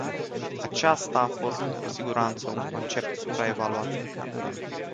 Aceasta a fost cu siguranță un concept supraevaluat.